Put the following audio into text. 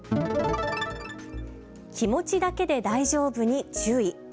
気持ちだけで大丈夫に注意。